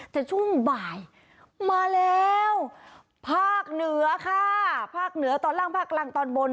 แต่ช่วงบ่ายมาแล้วภาคเหนือค่ะภาคเหนือตอนล่างภาคกลางตอนบน